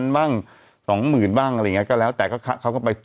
๕๐๐๐บ้าง๒หมื่นบ้างอะไรอย่างเองก็แล้วแต่เขาก็ไป